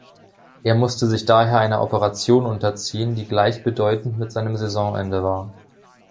Er musste sich daher einer Operation unterziehen, die gleichbedeutend mit seinem Saisonende war.